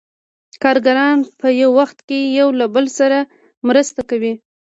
کارګران په یو وخت کې یو له بل سره مرسته کوي